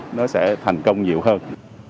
thì chúng ta sẽ thành công nhiều hơn